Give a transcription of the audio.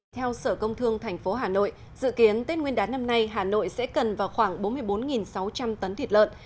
theo sở công thương tp hà nội dự kiến tết nguyên đán năm nay hà nội sẽ cần vào khoảng bốn mươi bốn sáu trăm linh tấn thịt lợn